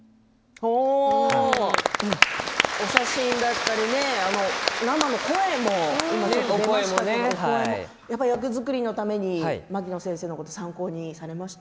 お写真だったり生の声もありましたけれども役作りのために牧野先生のこと参考にされました？